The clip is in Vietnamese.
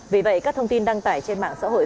vì vậy các thông tin đăng tải trên mạng xã hội